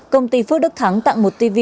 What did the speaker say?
công ty phước đức thắng tặng một tv